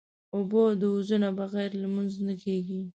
اوبه د وضو نه بغیر لمونځ نه کېږي.